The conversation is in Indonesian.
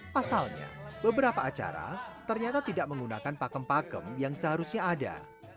pasalnya beberapa acara ternyata tidak menggunakan pakem pakem yang seharusnya ada